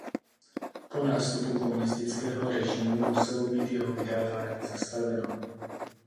Po nástupu komunistického režimu muselo být jeho vydávání zastaveno.